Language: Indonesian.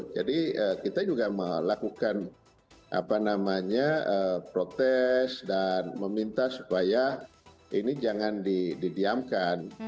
kita juga melakukan protes dan meminta supaya ini jangan didiamkan